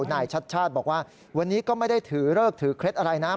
นายชัดชาติบอกว่าวันนี้ก็ไม่ได้ถือเลิกถือเคล็ดอะไรนะ